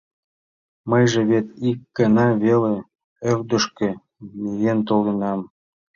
— Мыйже вет ик гана веле ӧрдыжкӧ миен толынам...